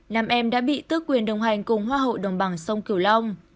nam em đã bị tước quyền đồng hành cùng hoa hậu đồng bằng sông cửu long